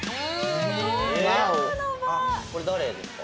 これ誰ですか？